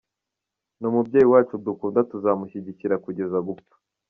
Ni umubyeyi wacu dukunda tuzamushyigikira kugeza gupfa.